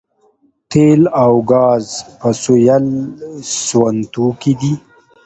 تیل او ګاز فوسیل سون توکي دي